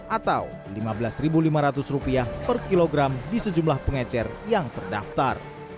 atau rp lima belas lima ratus per kilogram di sejumlah pengecer yang terdaftar